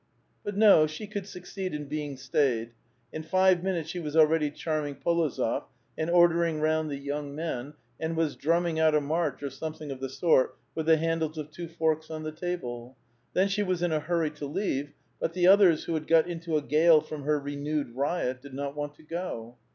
But, no, she could succeed in being staid. In five minutes she was already charming P6lozof , and ordering round the 3'oung men, and was dmmming out a march, or something of the sort, with the handles of two forks on the table. Then she was in a hurry to leave ; but the others, who had got into a gale from her renewed riot, did not want to go.